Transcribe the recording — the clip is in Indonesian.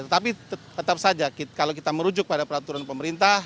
tetapi tetap saja kalau kita merujuk pada peraturan pemerintah